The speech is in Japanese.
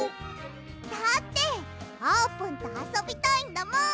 だってあーぷんとあそびたいんだもん！